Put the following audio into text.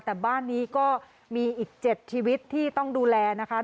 แต่บ้านนี้ก็มีอีก๗ชีวิตที่ต้องดูแลนะคะ